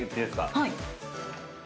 はい。